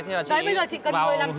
thế là chị vào hướng của chị